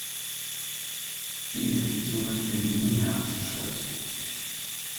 Die Infektionen finden im Herbst statt.